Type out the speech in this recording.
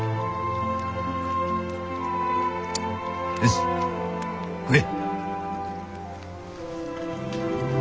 よし食え。